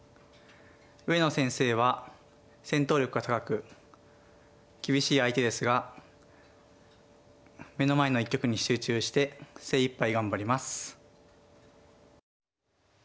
上野先生は戦闘力が高く厳しい相手ですが目の前の一局に集中して精いっぱい頑張ります。